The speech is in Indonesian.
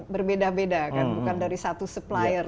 berbeda beda kan bukan dari satu supplier